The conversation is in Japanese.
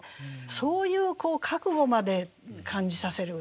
そういう覚悟まで感じさせる歌ですね。